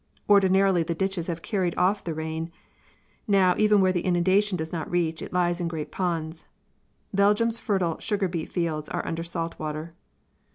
Ordinarily the ditches have carried off the rain; now even where the inundation does not reach it lies in great ponds. Belgium's fertile sugar beet fields are under salt water.